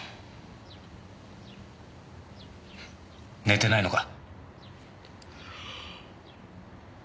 寝てないのか？